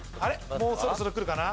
もうそろそろくるかな？